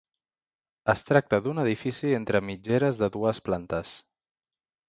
Es tracta d'un edifici entre mitgeres de dues plantes.